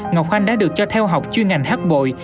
ngọc khanh đã được cho theo học chuyên ngành hát bội